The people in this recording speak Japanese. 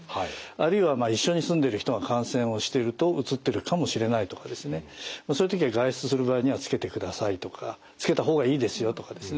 あるいは一緒に住んでる人が感染をしてるとうつってるかもしれないとかですねそういう時は外出する場合にはつけてくださいとかつけた方がいいですよとかですね。